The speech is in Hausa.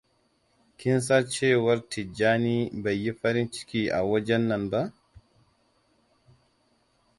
Kin san cewar Tijjani bai yi farin ciki a wajen nan ba?